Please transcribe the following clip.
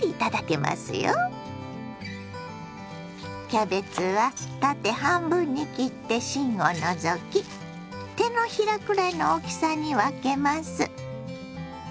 キャベツは縦半分に切って芯を除き手のひらくらいの大きさに分けます。